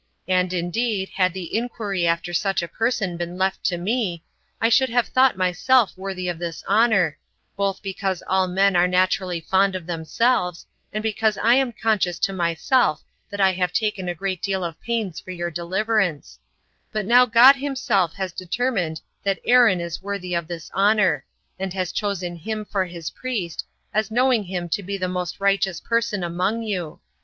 And indeed had the inquiry after such a person been left to me, I should have thought myself worthy of this honor, both because all men are naturally fond of themselves, and because I am conscious to myself that I have taken a great deal of pains for your deliverance; but now God himself has determined that Aaron is worthy of this honor, and has chosen him for his priest, as knowing him to be the most righteous person among you.